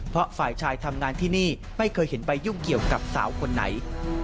เพราะฝ่ายชายทำงานที่นี่ไม่เคยเห็นไปยุ่งเกี่ยวกับสาวคนไหน